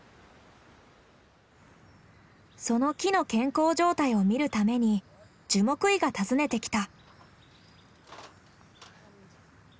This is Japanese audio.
その木の健康状態をみるために樹木医が訪ねてきた。